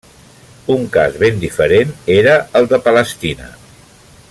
Un cas ben diferent era el de Palestina.